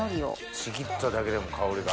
ちぎっただけでも香りが。